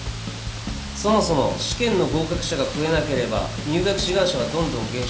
そもそも試験の合格者が増えなければ入学志願者はどんどん減少。